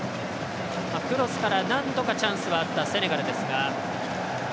クロスから何度かチャンスがあったセネガルですが。